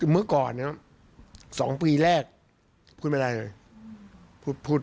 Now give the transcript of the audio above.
เมื่อก่อน๒ปีแรกพูดไม่ได้เลย